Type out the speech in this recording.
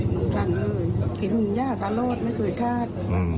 น้องชายคิดย่าสะโลดไม่คือคาด